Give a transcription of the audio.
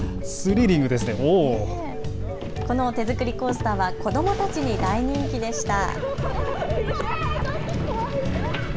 この手作りコースターは子どもたちに大人気でした。